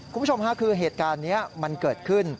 คุณผู้ชมค่ะคือเหตุการณ์นี้มันเกิดขึ้น